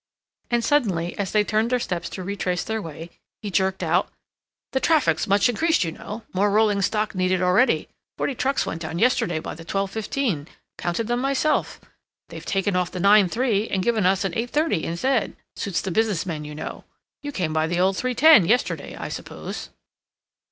And suddenly, as they turned their steps to retrace their way, he jerked out: "The traffic's very much increased, you know. More rolling stock needed already. Forty trucks went down yesterday by the 12.15—counted them myself. They've taken off the 9.3, and given us an 8.30 instead—suits the business men, you know. You came by the old 3.10 yesterday, I suppose?"